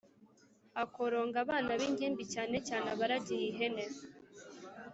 hakoronga abana b'ingimbi cyane cyane abaragiye ihene